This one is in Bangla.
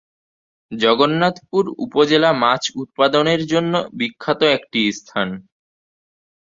জগন্নাথপুর উপজেলা মাছ উৎপাদনের জন্য বিখ্যাত একটি স্থান।